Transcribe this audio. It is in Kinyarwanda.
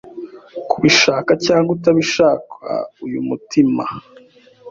Kubishaka cyangwa utabishaka uyu mutima